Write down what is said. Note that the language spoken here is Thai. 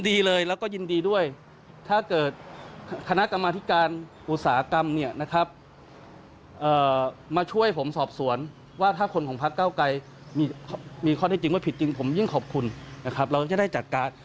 มีข้อได้จริงว่าผิดจริงผมยิ่งขอบคุณเราจะได้จัดการ